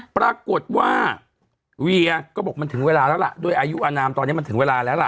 ปรากฏว่าเวียก็บอกมันถึงเวลาแล้วล่ะด้วยอายุอนามตอนนี้มันถึงเวลาแล้วล่ะ